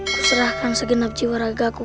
aku serahkan segenap jiwa ragaku